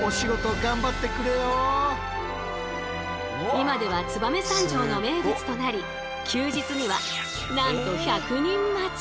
今では燕三条の名物となり休日にはなんと１００人待ち！